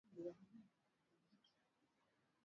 Mziki anaoucheza unavutia